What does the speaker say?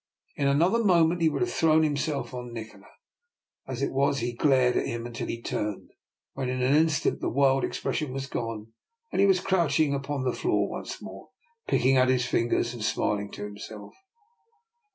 In another moment he would have thrown himself on Nikola. As it was he glared at him until he turned, when in an instant the wild expression was gone, and he was crouch ing upon the floor once more, picking at his fingers and smiling to himself.